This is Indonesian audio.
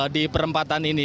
di perempatan ini